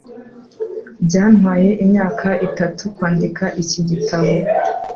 Byantwaye imyaka itatu kwandika iki gitabo.